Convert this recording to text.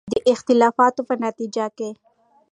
د اختلافاتو په نتیجه کې